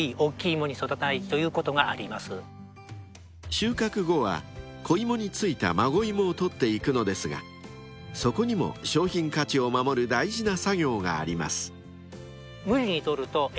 ［収穫後は子芋に付いた孫芋を取っていくのですがそこにも商品価値を守る大事な作業があります］